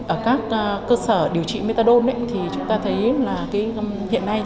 ở các cơ sở điều trị methadon thì chúng ta thấy là hiện nay